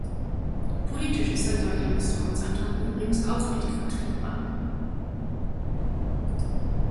Politisch ist ein solcher Misstrauensantrag übrigens auch nicht vertretbar.